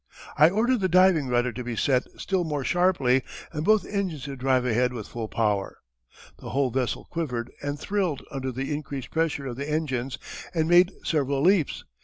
I ordered the diving rudder to be set still more sharply and both engines to drive ahead with full power. The whole vessel quivered and thrilled under the increased pressure of the engines and made several leaps.